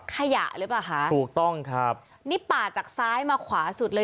ขยะหรือเปล่าคะถูกต้องครับนี่ป่าจากซ้ายมาขวาสุดเลย